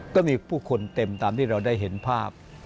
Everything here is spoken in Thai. ก็มีผู้คนเต็มตามที่เราได้เห็นภาพ